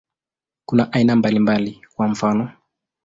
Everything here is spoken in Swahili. Kuna aina mbalimbali, kwa mfano.